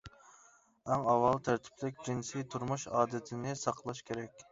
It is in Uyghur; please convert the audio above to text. ئەڭ ئاۋۋال تەرتىپلىك جىنسىي تۇرمۇش ئادىتىنى ساقلاش كېرەك.